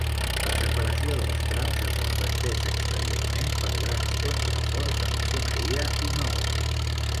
La separació dels trams es reflecteix exteriorment per grans contraforts de maçoneria i maó.